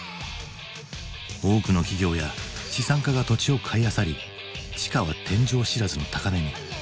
多くの企業や資産家が土地を買いあさり地価は天井知らずの高値に。